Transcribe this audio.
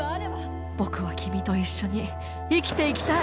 僕は君と一緒に生きていきたい。